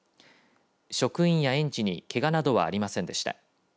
職員や園児にけがなどはありませんでした。